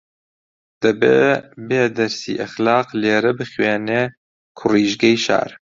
دەبێ بێ دەرسی ئەخلاق لێرە بخوێنێ کوڕیژگەی شار